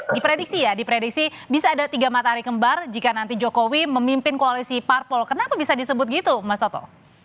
diprediksi ya diprediksi bisa ada tiga matahari kembar jika nanti jokowi memimpin koalisi parpol kenapa bisa disebut gitu mas toto